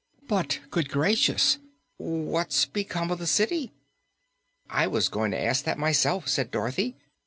"But good gracious! What's become of the city?" "I was going to ask that myself," said Dorothy.